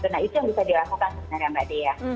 nah itu yang bisa dilakukan sebenarnya mbak dea